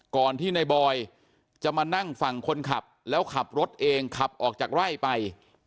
ก่อนที่ในบอยจะมานั่งฝั่งคนขับแล้วขับรถเองขับออกจากไร่ไป